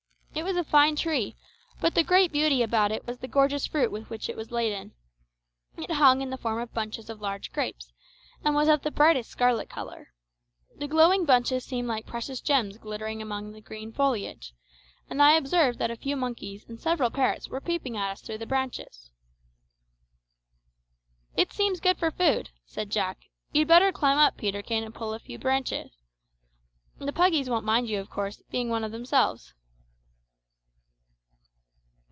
It was a fine tree, but the great beauty about it was the gorgeous fruit with which it was laden. It hung in the form of bunches of large grapes, and was of the brightest scarlet colour. The glowing bunches seemed like precious gems glittering amongst the green foliage, and I observed that a few monkeys and several parrots were peeping at us through the branches. "It seems good for food," said Jack. "You'd better climb up, Peterkin, and pull a few bunches. The puggies won't mind you, of course, being one of themselves."